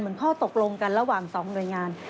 เหมือนข้อตกลงกันระหว่างสองหน่วยงาน